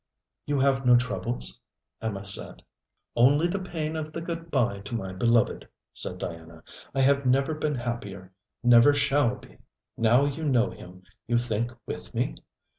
'You have no troubles?' Emma said. 'Only the pain of the good bye to my beloved,' said Diana. 'I have never been happier never shall be! Now you know him you think with me?